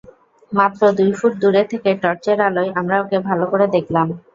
মাত্র দুই ফুট দূর থেকে টর্চের আলোয় আমরা ওকে ভালো করে দেখলাম।